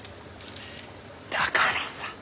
だからさ。